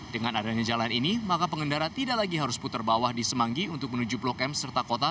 dengan adanya jalan ini maka pengendara tidak lagi harus putar bawah di semanggi untuk menuju blok m serta kota